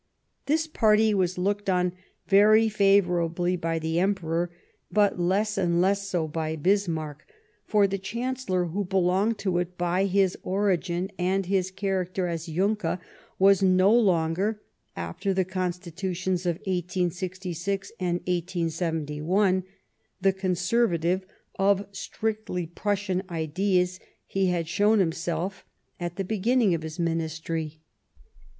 This party was looked on very favourably by the Emperor, but less and less so by Bismarck ; for the Chancellor, who belonged to it by his origin and his character as Junker, was no longer, after the Constitutions of 1866 and 1871, the Conservative of strictly Prussian ideas he had shown himself at the beginning of his Ministry.